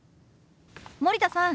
森田さん